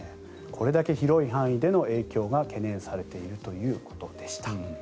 これだけ広い範囲での影響が懸念されているということでした。